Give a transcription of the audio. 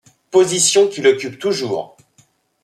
Position qu'il occupe toujours.